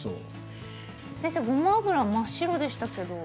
先生、ごま油真っ白でしたけれども。